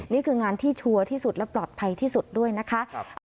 นี่คืองานที่ชัวร์ที่สุดและปลอดภัยที่สุดด้วยนะคะ